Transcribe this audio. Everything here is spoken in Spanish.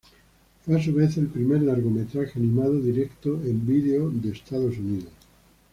Fue a su vez, el primer largometraje animado directo-en vídeo de Estados Unidos.